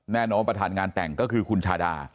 แน่นอนประธานงานแต่งก็คือคุณชาดา